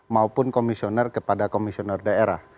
maupun komisioner kepada komisioner daerah